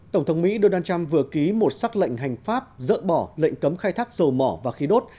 tổng thống mỹ donald trump vừa ký một xác lệnh hành pháp dỡ bỏ lệnh cấm khai thác dầu mỏ và khí đốt